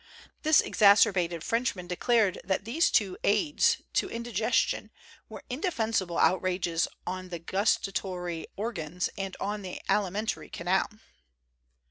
This exacerbated Frenchman declared that these two aids to indi gestion were indefensible outrages on the gus tatory organs and on the alimentary canal.